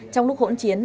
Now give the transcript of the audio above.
trong lúc hỗn chiến